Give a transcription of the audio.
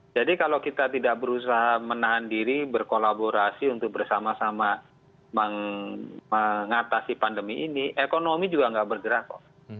jadi kalau kita tidak berusaha menahan diri berkolaborasi untuk bersama sama mengatasi pandemi ini ekonomi juga nggak bergerak kok